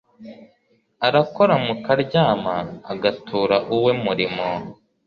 arakora mukaryama, agatura uwe murimo